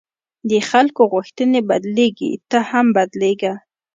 د خلکو غوښتنې بدلېږي، ته هم بدلېږه.